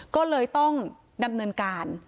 ก็เลยต้องดำเนินการ